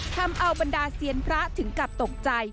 ทำเอาบรรดาเซียนพระถึงกลับตกใจ